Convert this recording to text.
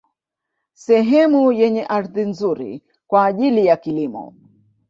Sehemu yenye ardhi nzuri kwa ajili ya kilimo